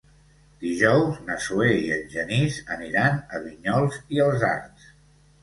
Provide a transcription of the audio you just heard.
Dijous na Zoè i en Genís aniran a Vinyols i els Arcs.